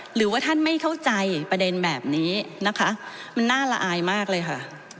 หรือว่าท่านไม่เข้าใจประเด็นแบบนี้นะคะมันน่าละอายมากเลยค่ะ